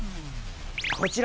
こちら。